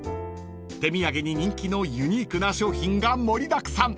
［手土産に人気のユニークな商品が盛りだくさん］